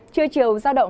chưa chiều giao thông